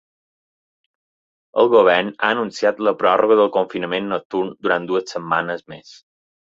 El govern ha anunciat la pròrroga del confinament nocturn durant dues setmanes més.